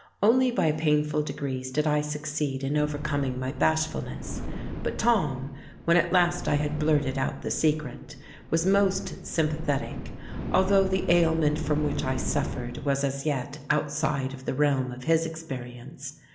Only by painful degrees did I succeed in overcoming my bashfulness; but Tom, when at last I had blurted out the secret, was most sympathetic, although the ailment from which I suffered was as yet outside of the realm of his experience.